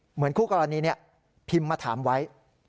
เหมือนคู่กรณีพิมพ์มาถามไว้